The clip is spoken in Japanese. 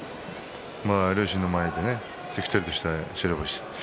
両親の前で関取として白星。